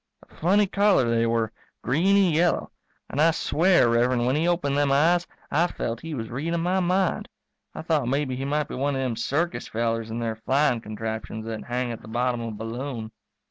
A funny color they were, greeny yellow. And I swear, Rev'rend, when he opened them eyes I felt he was readin' my mind. I thought maybe he might be one of them circus fellers in their flying contraptions that hang at the bottom of a balloon.